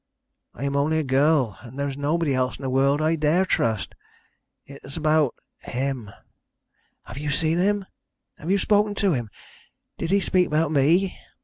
I am only a girl and there is nobody else in the world I dare trust. It is about him. Have you seen him? Have you spoken to him? Did he speak about me?"